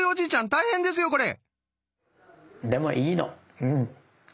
大変ですよこれ。